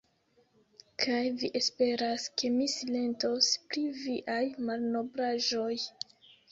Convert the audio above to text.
Kaj vi esperas, ke mi silentos pri viaj malnoblaĵoj!